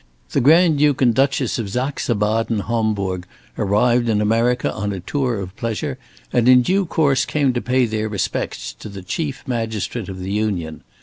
The Grand Duke and Duchess of Saxe Baden Hombourg arrived in America on a tour of pleasure, and in due course came on to pay their respects to the Chief Magistrate of the Union.